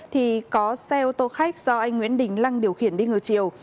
thì có xe ô tô khách do anh nguyễn đình lăng điều khiển đi ngược chiều